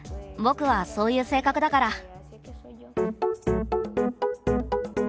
僕はそういう性格だから。